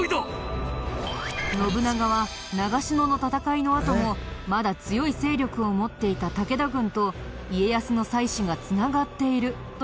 信長は長篠の戦いのあともまだ強い勢力を持っていた武田軍と家康の妻子が繋がっているという疑いをかけたんだ。